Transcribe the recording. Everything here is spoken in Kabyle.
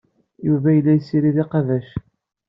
Yuba yella yessirid iqbac.